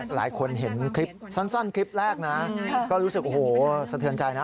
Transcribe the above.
หลายคนเห็นคลิปสั้นคลิปแรกนะก็รู้สึกโอ้โหสะเทือนใจนะ